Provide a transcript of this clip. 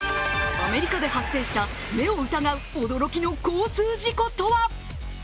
アメリカで発生した目を疑う驚きの交通事故とは？